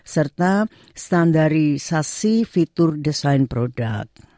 serta standarisasi fitur desain produk